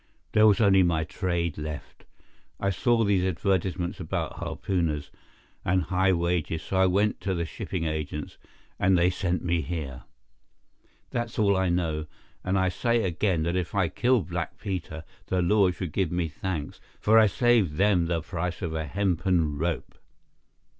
There was only my trade left. I saw these advertisements about harpooners, and high wages, so I went to the shipping agents, and they sent me here. That's all I know, and I say again that if I killed Black Peter, the law should give me thanks, for I saved them the price of a hempen rope."